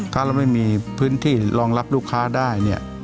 ถ้าเราไม่มีพื้นที่รองรับลูกค้าได้เนี่ย